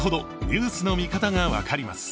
ニュースの見方が分かります。